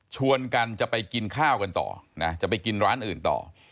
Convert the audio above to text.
ชวนกันจะไปกินข้าวกันต่อนะจะไปกินร้านอื่นต่อ